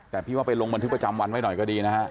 แต่พี่ว่าไปลงบันทึกประจำวันไว้หน่อยก็ดีนะฮะ